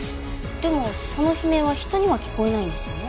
でもその悲鳴は人には聞こえないんですよね？